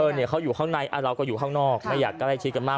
เนี่ยเขาอยู่ข้างในเราก็อยู่ข้างนอกไม่อยากใกล้ชิดกันมาก